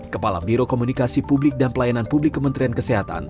kepala biro komunikasi publik dan pelayanan publik kementerian kesehatan